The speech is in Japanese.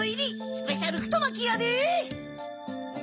スペシャルふとまきやで！